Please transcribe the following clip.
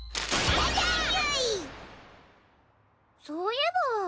そういえば。